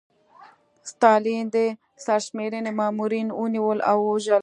ستالین د سرشمېرنې مامورین ونیول او ووژل.